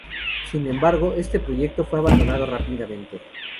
Sin embargo, este proyecto fue abandonado rápidamente.